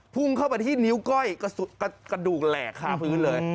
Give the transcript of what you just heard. พุ่งเข้าไปที่นิ้วก้อยกระดูกแหลกคาพื้นเลย